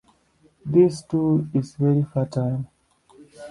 This, too, is very fertile.